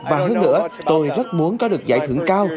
và hơn nữa tôi rất muốn có được giải thưởng cao